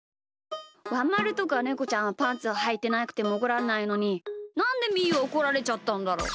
ワンまるとかネコちゃんはパンツをはいてなくてもおこられないのになんでみーはおこられちゃったんだろう？